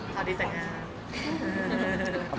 เขาดีจากงาน